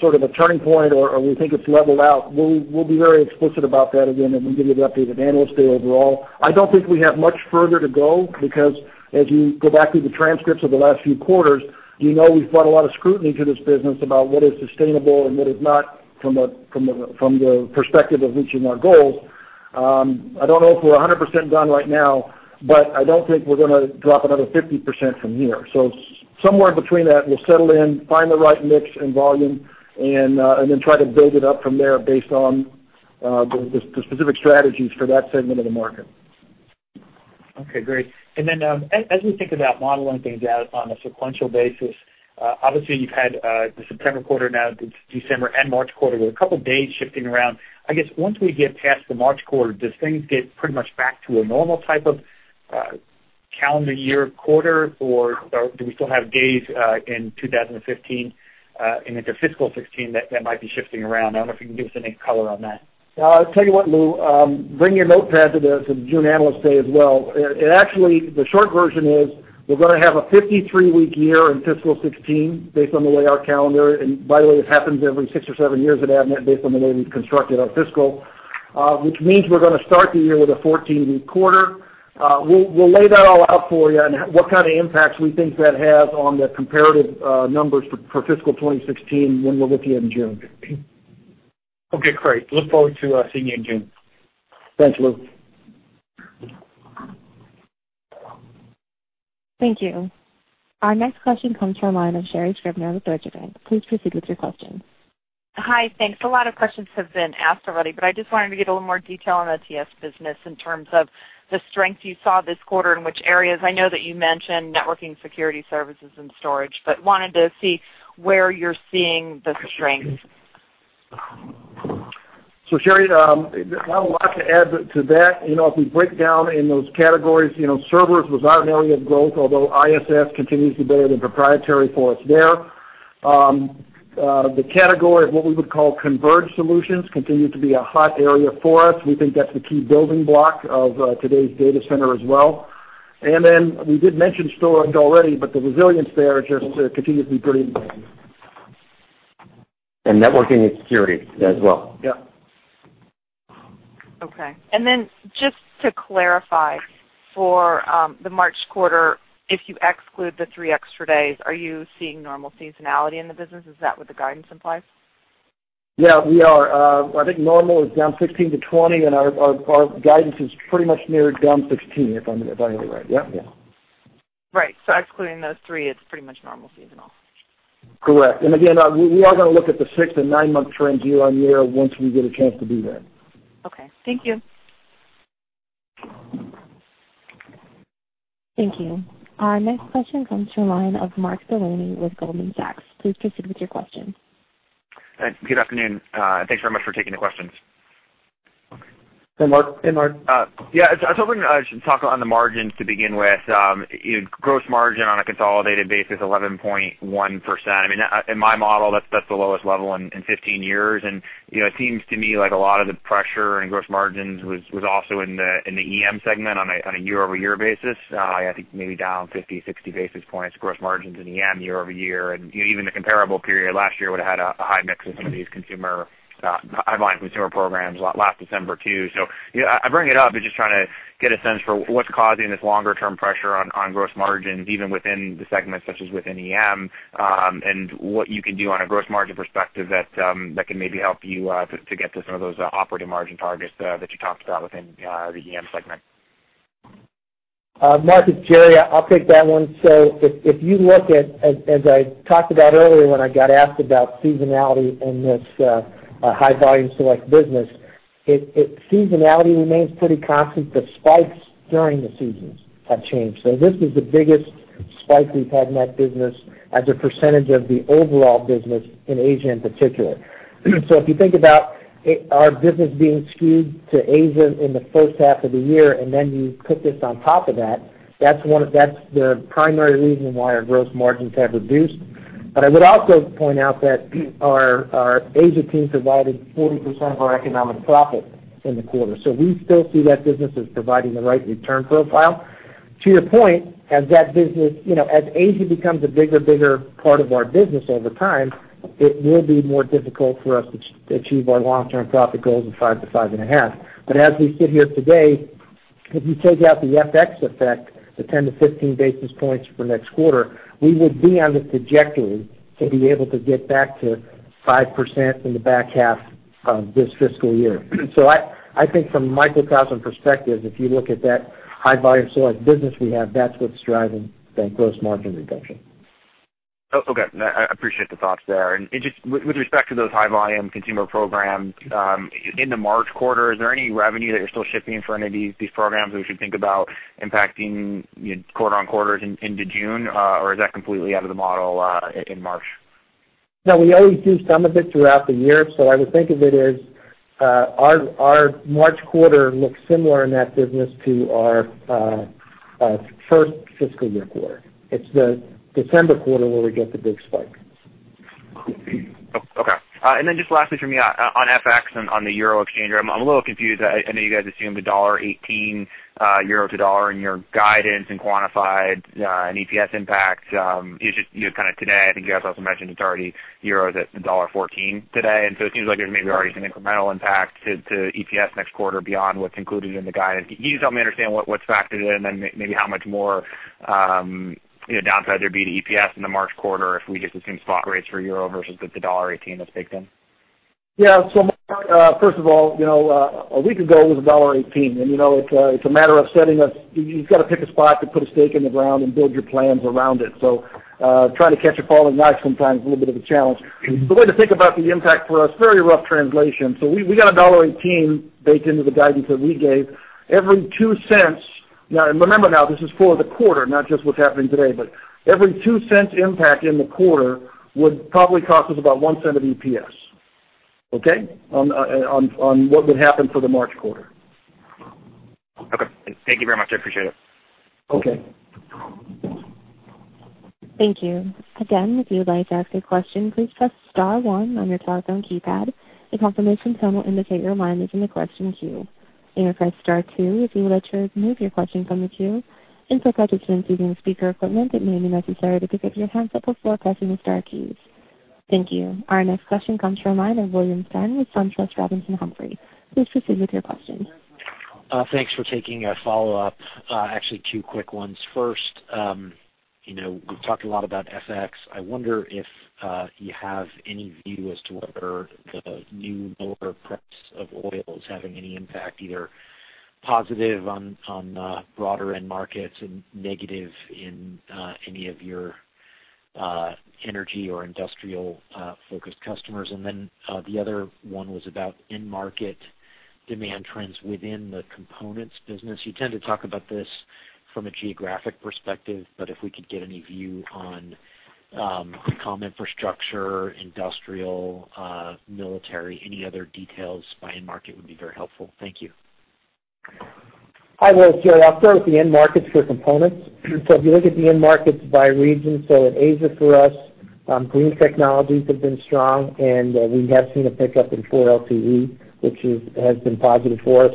sort of a turning point or we think it's leveled out, we'll be very explicit about that again, and we'll give you an update at Analyst Day overall. I don't think we have much further to go, because as you go back through the transcripts of the last few quarters, you know we've brought a lot of scrutiny to this business about what is sustainable and what is not from the perspective of reaching our goals. I don't know if we're 100% done right now, but I don't think we're gonna drop another 50% from here. So somewhere in between that, we'll settle in, find the right mix and volume, and then try to build it up from there based on the specific strategies for that segment of the market. Okay, great. And then, as we think about modeling things out on a sequential basis, obviously, you've had the September quarter, now the December and March quarter, with a couple days shifting around. I guess, once we get past the March quarter, does things get pretty much back to a normal type of calendar year quarter, or do we still have days in 2015, and into fiscal 2016 that might be shifting around? I wonder if you can give us any color on that. Yeah, I'll tell you what, Louis Miscioscia, bring your notepad to the June Analyst Day as well. It actually, the short version is, we're gonna have a 53-week year in fiscal 2016 based on the way our calendar, and by the way, this happens every six or seven years at Avnet, based on the way we've constructed our fiscal. Which means we're gonna start the year with a 14-week quarter. We'll lay that all out for you, and what kind of impacts we think that has on the comparative numbers for fiscal 2016 when we're with you in June. Okay, great. Look forward to seeing you in June. Thanks, Lou. Thank you. Our next question comes from the line of Sherri Scribner with Deutsche Bank. Please proceed with your question. Hi, thanks. A lot of questions have been asked already, but I just wanted to get a little more detail on the TS business in terms of the strength you saw this quarter, in which areas. I know that you mentioned networking, security, services, and storage, but wanted to see where you're seeing the strength. So Sherri Scribner, not a lot to add to that. You know, if we break down in those categories, you know, servers was our an area of growth, although ISS continues to be the proprietary for us there. The category of what we would call converged solutions continued to be a hot area for us. We think that's the key building block of, today's data center as well. And then we did mention storage already, but the resilience there just, continues to be pretty amazing. Networking and security as well. Yeah. Okay. And then just to clarify, for the March quarter, if you exclude the three extra days, are you seeing normal seasonality in the business? Is that what the guidance implies? Yeah, we are. I think normal is down 16%-20%, and our guidance is pretty much narrowed down 16%, if I'm hearing right. Yeah, yeah. Right. So excluding those three, it's pretty much normal seasonal. Correct. And again, we are gonna look at the six and nine month trends year-over-year once we get a chance to do that. Okay, thank you. Thank you. Our next question comes from the line of Mark Delaney with Goldman Sachs. Please proceed with your question. Good afternoon. Thanks very much for taking the questions. Hey, Mark Delaney. Hey, Mark Delaney. Yeah, I was hoping I should talk on the margins to begin with. You know, gross margin on a consolidated basis, 11.1%. I mean, in my model, that's the lowest level in 15 years. You know, it seems to me like a lot of the pressure in gross margins was also in the EM segment on a year-over-year basis. I think maybe down 50-60 basis points, gross margins in EM year-over-year, and you know, even the comparable period last year would've had a high mix of some of these consumer, high-volume consumer programs last December, too. So, you know, I bring it up and just trying to get a sense for what's causing this longer term pressure on gross margins, even within the segments such as within EM, and what you can do on a gross margin perspective that can maybe help you to get to some of those operating margin targets that you talked about within the EM segment. Mark, it's Gerry Fay. I'll take that one. So if you look at, as I talked about earlier, when I got asked about seasonality in this High Volume Select business, seasonality remains pretty constant. The spikes during the seasons have changed. So this is the biggest spike we've had in that business as a percentage of the overall business in Asia in particular. So if you think about it, our business being skewed to Asia in the first half of the year, and then you put this on top of that, that's the primary reason why our gross margins have reduced. But I would also point out that our Asia team provided 40% of our economic profit in the quarter. So we still see that business as providing the right return profile. To your point, as that business, you know, as Asia becomes a bigger, bigger part of our business over time, it will be more difficult for us to achieve our long-term profit goals of 5%-5.5%. But as we sit here today, if you take out the FX effect, the 10-15 basis points for next quarter, we would be on the trajectory to be able to get back to 5% in the back half of this fiscal year. So I think from a microcosm perspective, if you look at that High Volume Select business we have, that's what's driving that gross margin reduction. Oh, okay. I appreciate the thoughts there. And just with respect to those high-volume consumer programs, in the March quarter, is there any revenue that you're still shipping for any of these programs we should think about impacting quarter-over-quarter into June, or is that completely out of the model, in March? No, we always do some of it throughout the year, so I would think of it as our March quarter looks similar in that business to our first fiscal year quarter. It's the December quarter where we get the big spike. Oh, okay. And then just lastly for me, on FX, on the EUR exchange rate, I'm a little confused. I know you guys assumed a $1.18 EUR to dollar in your guidance and quantified an EPS impact. It's just, you know, kind of today, I think you guys also mentioned it's already the EUR at a $1.14 today, and so it seems like there's maybe already an incremental impact to EPS next quarter beyond what's included in the guidance. Can you just help me understand what's factored in, and then maybe how much more, you know, downside there'd be to EPS in the March quarter if we get the same spot rates for EUR versus the $1.18 that's baked in? Yeah. So, first of all, you know, a week ago, it was $1.18. And, you know, it's, it's a matter of setting up... You've got to pick a spot to put a stake in the ground and build your plans around it. So, trying to catch a falling knife sometimes is a little bit of a challenge. The way to think about the impact for us, very rough translation. So we, we got $1.18 baked into the guidance that we gave. Every $0.02— Now, and remember now, this is for the quarter, not just what's happening today, but every two-cent impact in the quarter would probably cost us about $0.01 of EPS, okay? On what would happen for the March quarter. Okay. Thank you very much. I appreciate it. Okay. Thank you. Again, if you would like to ask a question, please press star one on your telephone keypad. A confirmation tone will indicate your line is in the question queue. You may press star two if you would like to remove your question from the queue. And for participants using speaker equipment, it may be necessary to pick up your handset before pressing the star keys. Thank you. Our next question comes from the line of William Stein with SunTrust Robinson Humphrey. Please proceed with your question. Thanks for taking a follow-up. Actually, two quick ones. First, you know, we've talked a lot about FX. I wonder if you have any view as to whether the new lower price of oil is having any impact, either positive on, broader end markets and negative in any of your energy or industrial focused customers. And then, the other one was about end market demand trends within the components business. You tend to talk about this from a geographic perspective, but if we could get any view on comm infrastructure, industrial, military, any other details by end market would be very helpful. Thank you. Hi, William Stein. So I'll start with the end markets for components. So if you look at the end markets by region, so in Asia, for us, green technologies have been strong, and we have seen a pickup in 4G LTE, which is- has been positive for us,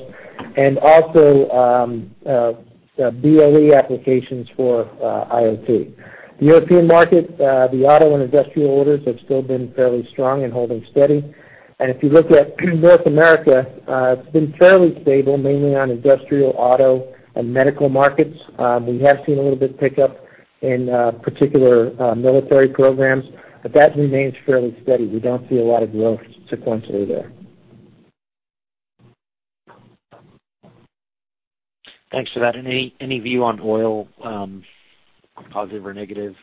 and also, BLE applications for IoT. The European market, the auto and industrial orders have still been fairly strong and holding steady. And if you look at North America, it's been fairly stable, mainly on industrial, auto, and medical markets. We have seen a little bit pickup in particular, military programs, but that remains fairly steady. We don't see a lot of growth sequentially there. Thanks for that. Any view on oil, positive or negative?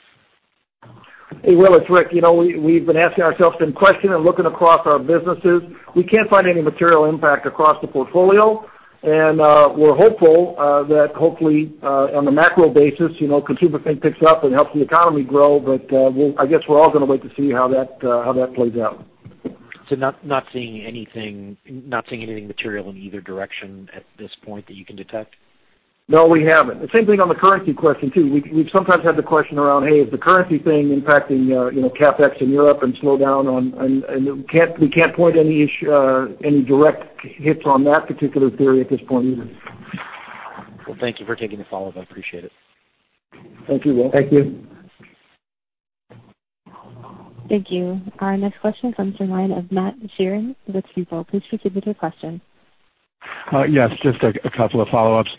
Hey, William Stein, it's Rick Hamada. You know, we've been asking ourselves the same question and looking across our businesses. We can't find any material impact across the portfolio, and we're hopeful that hopefully on a macro basis, you know, consumer thing picks up and helps the economy grow. But, we'll, I guess we're all gonna wait to see how that plays out. So, not seeing anything material in either direction at this point that you can detect? No, we haven't. The same thing on the currency question, too. We've sometimes had the question around, "Hey, is the currency thing impacting, you know, CapEx in Europe and slowdown on..." We can't point any direct hits on that particular theory at this point either. Well, thank you for taking the follow-up. I appreciate it. Thank you, William Stein. Thank you. Thank you. Our next question comes from the line of Matthew Sheerin with Stifel. Please proceed with your question. Yes, just a couple of follow-ups.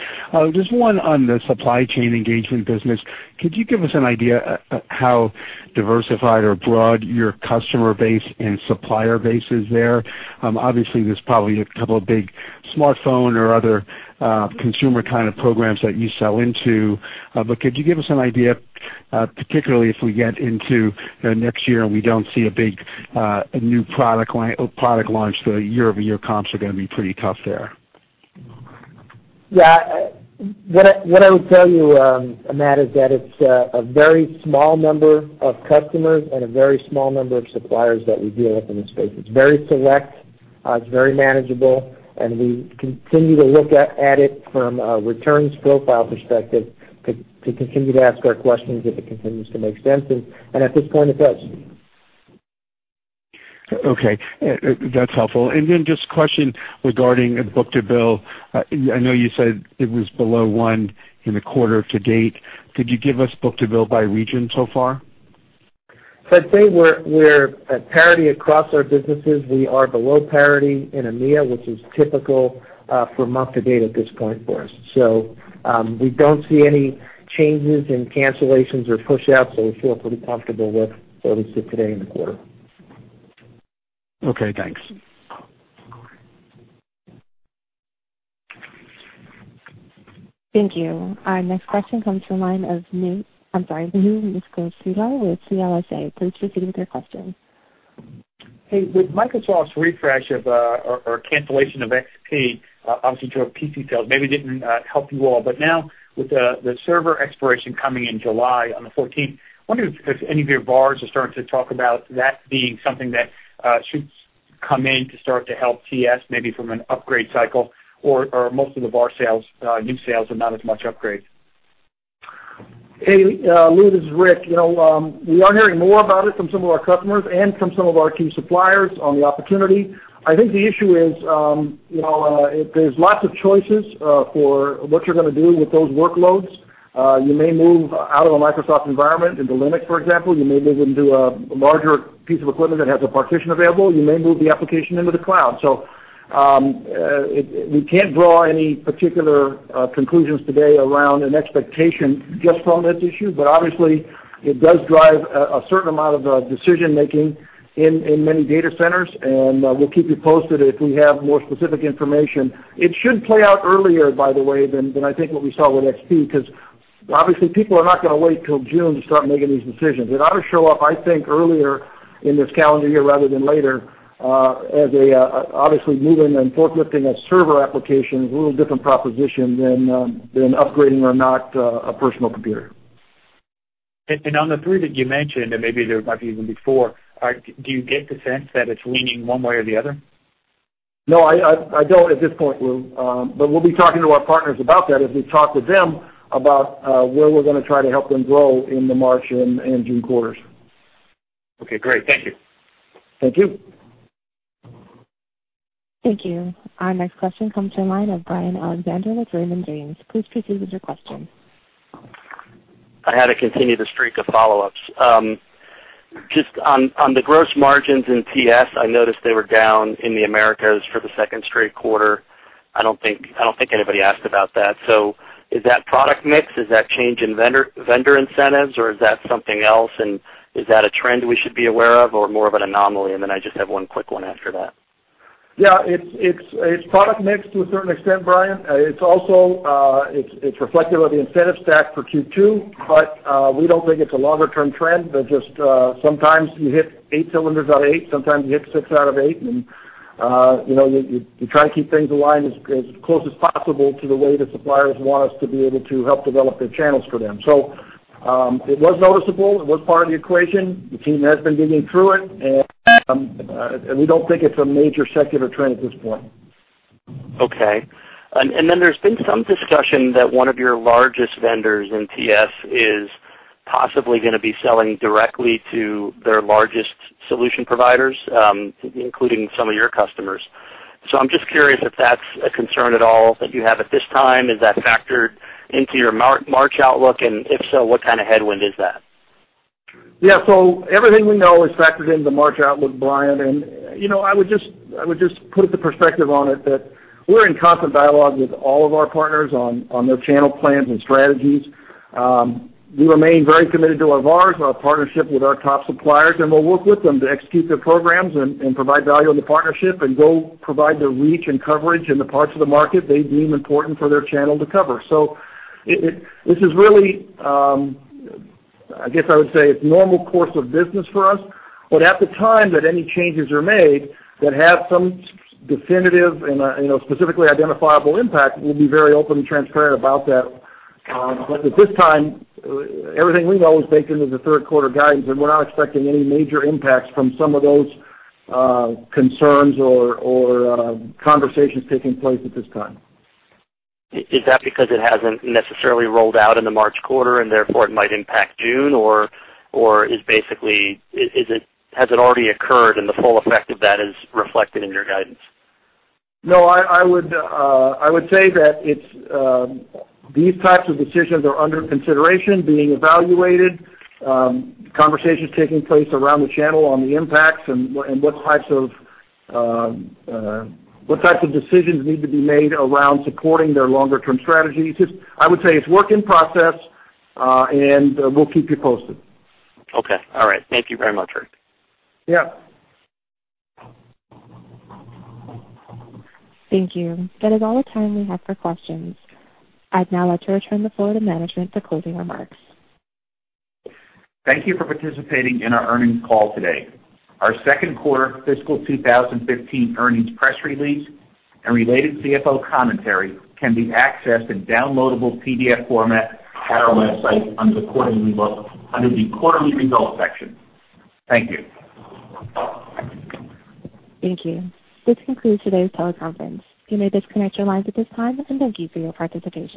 Just one on the supply chain engagement business. Could you give us an idea how diversified or broad your customer base and supplier base is there? Obviously, there's probably a couple of big smartphone or other consumer kind of programs that you sell into. But could you give us an idea, particularly if we get into, you know, next year, and we don't see a big new product line-product launch, the year-over-year comps are gonna be pretty tough there. Yeah, what I would tell you, Matthew Sheerin, is that it's a very small number of customers and a very small number of suppliers that we deal with in this space. It's very select, it's very manageable, and we continue to look at it from a returns profile perspective, to continue to ask our questions, if it continues to make sense, and at this point, it does. Okay, that's helpful. And then just a question regarding book-to-bill. I know you said it was below one in the quarter to date. Could you give us book-to-bill by region so far? I'd say we're at parity across our businesses. We are below parity in EMEA, which is typical for month to date at this point for us. So, we don't see any changes in cancellations or pushouts, so we feel pretty comfortable with where we sit today in the quarter. Okay, thanks. Thank you. Our next question comes from the line of Louis Miscioscia with CLSA. Please proceed with your question. Hey, with Microsoft's refresh of, or cancellation of XP, obviously drove PC sales, maybe didn't help you all. But now, with the server expiration coming in July on the fourteenth, I wonder if any of your VARs are starting to talk about that being something that should come in to start to help TS, maybe from an upgrade cycle, or most of the VAR sales new sales and not as much upgrades. Hey, Louis Miscioscia, this is Rick Hamada. You know, we are hearing more about it from some of our customers and from some of our key suppliers on the opportunity. I think the issue is, you know, there's lots of choices for what you're gonna do with those workloads. You may move out of a Microsoft environment into Linux, for example. You may move into a larger piece of equipment that has a partition available. You may move the application into the cloud. So, we can't draw any particular conclusions today around an expectation just from this issue. But obviously, it does drive a certain amount of decision making in many data centers, and we'll keep you posted if we have more specific information. It should play out earlier, by the way, than I think what we saw with XP, because obviously people are not going to wait till June to start making these decisions. It ought to show up, I think, earlier in this calendar year rather than later, as they obviously moving and forklifting a server application, a little different proposition than upgrading or not a personal computer. And on the three that you mentioned, and maybe there might be even before, do you get the sense that it's leaning one way or the other? No, I don't at this point, Louis Miscioscia. But we'll be talking to our partners about that as we talk with them about where we're going to try to help them grow in the March and June quarters. Okay, great. Thank you. Thank you. Thank you. Our next question comes from the line of Brian Alexander with Raymond James. Please proceed with your question. I had to continue the streak of follow-ups. Just on the gross margins in TS, I noticed they were down in the Americas for the second straight quarter. I don't think anybody asked about that. So is that product mix? Is that change in vendor incentives, or is that something else? And is that a trend we should be aware of or more of an anomaly? And then I just have one quick one after that. Yeah, it's product mix to a certain extent, Brian Alexander. It's also reflective of the incentive stack for Q2, but we don't think it's a longer-term trend, but just sometimes you hit eight cylinders out of eight, sometimes you hit six out of eight. And you know, you try to keep things aligned as close as possible to the way the suppliers want us to be able to help develop their channels for them. So it was noticeable. It was part of the equation. The team has been digging through it, and we don't think it's a major secular trend at this point. Okay. And then there's been some discussion that one of your largest vendors in TS is possibly going to be selling directly to their largest solution providers, including some of your customers. So I'm just curious if that's a concern at all that you have at this time. Is that factored into your March outlook? And if so, what kind of headwind is that? Yeah, so everything we know is factored into the March outlook, Brian Alexander, and you know, I would just put the perspective on it that we're in constant dialogue with all of our partners on their channel plans and strategies. We remain very committed to our VARs, our partnership with our top suppliers, and we'll work with them to execute their programs and provide value in the partnership and go provide the reach and coverage in the parts of the market they deem important for their channel to cover. So it, this is really, I guess I would say, it's normal course of business for us, but at the time that any changes are made that have some definitive and, you know, specifically identifiable impact, we'll be very open and transparent about that. But at this time, everything we know is baked into the Q3 guidance, and we're not expecting any major impacts from some of those concerns or conversations taking place at this time. Is that because it hasn't necessarily rolled out in the March quarter, and therefore, it might impact June? Or is basically, is, is it, has it already occurred, and the full effect of that is reflected in your guidance? No, I would say that it's these types of decisions are under consideration, being evaluated, conversations taking place around the channel on the impacts and what types of decisions need to be made around supporting their longer-term strategies. It's, I would say it's work in process, and we'll keep you posted. Okay. All right. Thank you very much, Rick Hamada. Yeah. Thank you. That is all the time we have for questions. I'd now like to return the floor to management for closing remarks. Thank you for participating in our earnings call today. Our Q2 fiscal 2015 earnings press release and related CFO commentary can be accessed in downloadable PDF format at our website under the quarterly result, under the quarterly results section. Thank you. Thank you. This concludes today's teleconference. You may disconnect your lines at this time, and thank you for your participation.